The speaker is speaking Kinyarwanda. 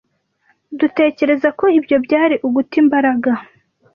Dutekereza ko ibyo byari uguta imbaraga.